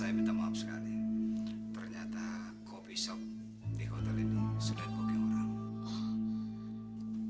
saya minta maaf sekali ternyata coffee shop di hotel ini sudah dikoki orang